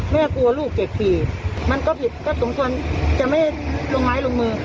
แม่กลัวลูกเก็บฟรีมันก็ผิดก็สงสัญจะไม่ลงไม้ลงมือ